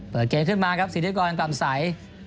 เปิดเกมขึ้นมาครับศรีริกรกล่ำสาย